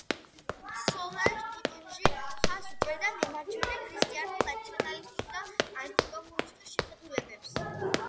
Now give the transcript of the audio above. სოლანჟ ტუტუნჯი მხარს უჭერდა მემარჯვენე ქრისტიანულ, ნაციონალისტურ და ანტიკომუნისტურ შეხედულებებს.